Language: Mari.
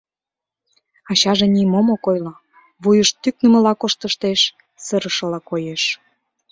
Ачаже нимом ок ойло, вуйыш тӱкнымыла коштыштеш, сырышыла коеш.